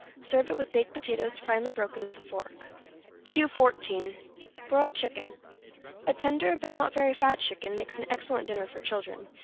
Serve it with baked potatoes, finely broken with a fork. 214. =Broiled Chicken.= A tender, but not very fat chicken, makes an excellent dinner for children.